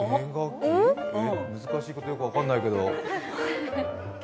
難しいことよく分かんないけど。